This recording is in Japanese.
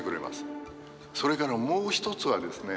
それからもう一つはですね